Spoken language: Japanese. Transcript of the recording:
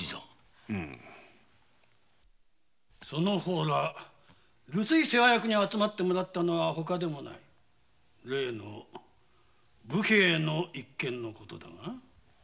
その方ら留守居世話役に集まってもらったのは例の武兵衛の一件のことだ。